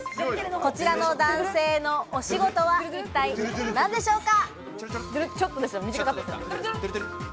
こちらの男性のお仕事は一体何でしょうか？